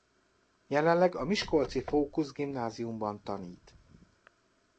Jelenleg a Miskolci Fókusz Gimnáziumban tanít.